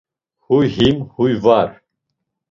Huy him, huy var.